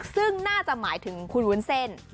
ซึ่งน่าจะหมายถึงคุณวุ้นเส้น